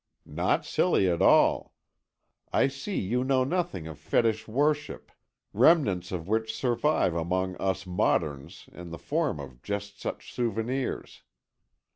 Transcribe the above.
"Not silly at all. I see you know nothing of fetish worship, remnants of which survive among us moderns in the form of just such souvenirs.